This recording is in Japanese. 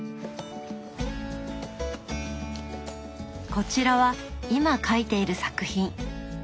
こちらは今描いている作品。